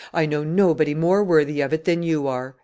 "I know nobody more worthy of it than you are!"